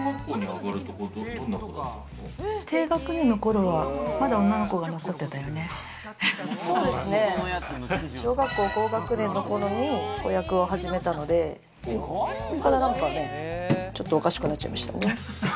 低学年の頃はまだ女の子が小学校高学年の頃に子役を始めたのでそこから何かね、ちょっとおかしくなっちゃいましたね。